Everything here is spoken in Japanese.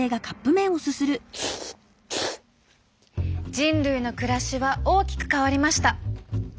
人類の暮らしは大きく変わりました。